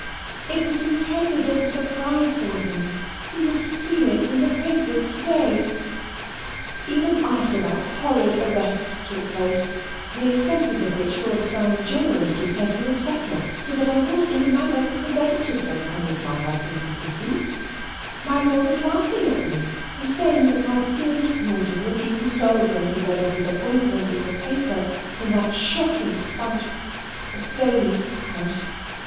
It was intended as a surprise for him he was to see it in the papers to day. Even after that horrid arrest took place (the expenses of which Lord Steyne generously said he would settle, so that I was in a manner prevented from coming to my husband's assistance), my Lord was laughing with me, and saying that my dearest Rawdon would be consoled when he read of his appointment in the paper, in that shocking spun bailiff's house.